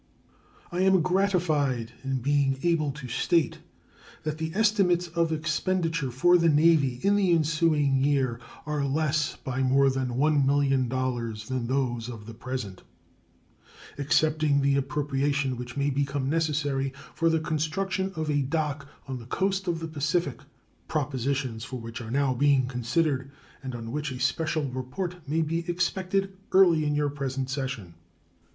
I am gratified in being able to state that the estimates of expenditure for the Navy in the ensuing year are less by more than $1,000,000 than those of the present, excepting the appropriation which may become necessary for the construction of a dock on the coast of the Pacific, propositions for which are now being considered and on which a special report may be expected early in your present session.